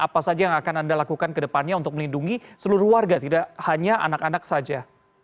apa saja yang akan anda lakukan ke depannya untuk melindungi seluruh warga tidak hanya anak anak saja